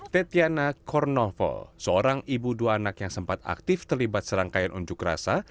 tetiana kornovo seorang ibu dua anak yang sempat aktif terlibat serangkaian unjuk rasa